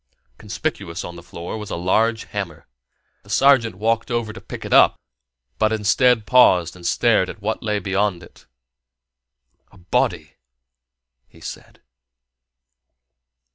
Conspicuous on the floor was a large hammer. The sergeant walked over to pick it up, but, instead, paused and stared at what lay beyond it. "A body!" he said.